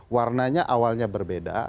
warnanya awalnya berbeda